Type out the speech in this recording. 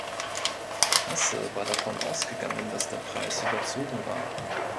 Hasse war davon ausgegangen, dass der Preis überzogen war.